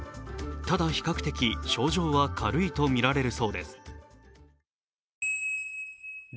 ただ比較的、症状は軽いとみられるそうです。